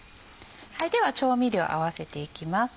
では調味料合わせていきます。